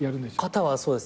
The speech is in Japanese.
形はそうです。